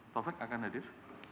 taufik akan hadir